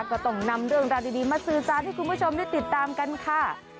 ก็ต้องนำเรื่องราวดีมาสื่อสารให้คุณผู้ชมได้ติดตามกันค่ะ